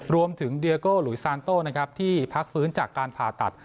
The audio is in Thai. รวมถึงเดียโกหรือซานโตที่พักฟื้นจากการผ่าตัด